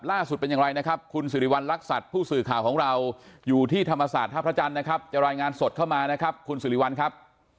ล่าสุดเป็นอย่างไรนะครับคุณสิริวัณรักษัตริย์ผู้สื่อข่าวของเราอยู่ที่ธรรมศาสตร์ท่าพระจันทร์นะครับจะรายงานสดเข้ามานะครับคุณสิริวัลครับ